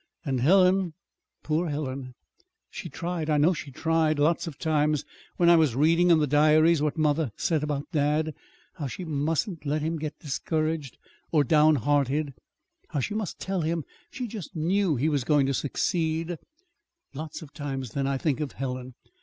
And Helen poor Helen! She tried I know she tried. Lots of times, when I was reading in the diaries what mother said about dad, how she mustn't let him get discouraged or downhearted; how she must tell him she just knew he was going to succeed, lots of times then I'd think of Helen.